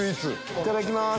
いただきます。